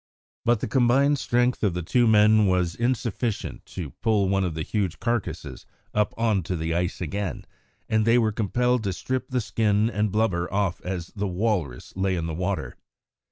But the combined strength of the two men was insufficient to pull one of the huge carcases up on to the ice again, and they were compelled to strip the skin and blubber off as the walrus lay in the water.